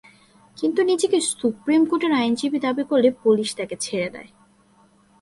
কিন্তু নিজেকে সুপ্রিম কোর্টের আইনজীবী দাবি করলে পুলিশ তাঁকে ছেড়ে দেয়।